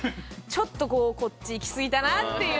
ちょっとこうこっちいきすぎたなという。